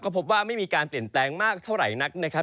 พบว่าไม่มีการเปลี่ยนแปลงมากเท่าไหร่นักนะครับ